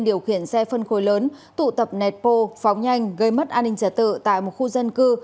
điều khiển xe phân khối lớn tụ tập nẹt bô phóng nhanh gây mất an ninh trả tự tại một khu dân cư